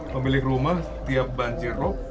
memiliki rumah tiap banjir rok